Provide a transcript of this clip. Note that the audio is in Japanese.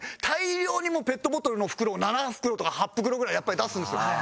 大量にペットボトルの袋を７袋とか８袋ぐらいやっぱり出すんですよ。